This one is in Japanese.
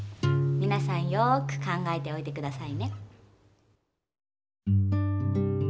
みなさんよく考えておいてくださいね。